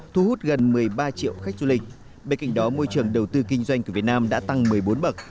thu hút gần một mươi ba triệu khách du lịch bên cạnh đó môi trường đầu tư kinh doanh của việt nam đã tăng một mươi bốn bậc